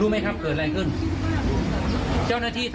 ไม่ผมหักใจ